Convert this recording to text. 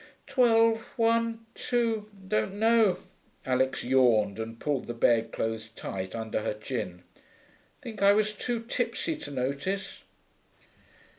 'Twelve one two don't know,' Alix yawned, and pulled the bedclothes tight under her chin. 'Think I was too tipsy to notice.'